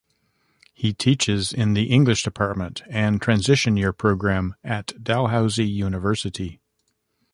He teaches in the English Department and Transition Year Program at Dalhousie University.